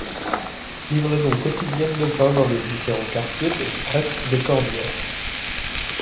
Livraison quotidienne de pain dans les différents quartiers de Fraisse-des-Corbières.